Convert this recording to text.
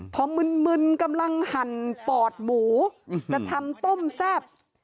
พอมึนกำลังหั่นปอดหมูจะทำต้มแซ่บ